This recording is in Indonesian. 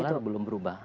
solar belum berubah